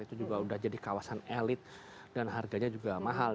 itu juga sudah jadi kawasan elit dan harganya juga mahal